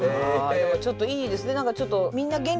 ちょっといいですね。